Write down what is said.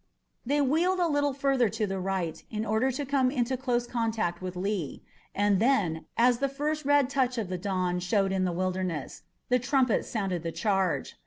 They wheeled a little further to the right in order to come into close contact with Lee, and then, as the first red touch of the dawn showed in the Wilderness, the trumpets sounded the charge.